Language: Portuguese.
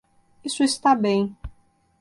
Isso está bem.